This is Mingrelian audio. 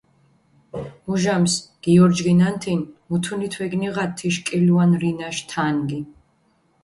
მუჟამს გიორჯგინანთინ, მუთუნით ვეგნიღათ თიშ კილუან რინაშ თანგი.